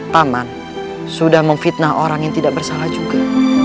paman sudah memfitnah orang yang tidak bersalah juga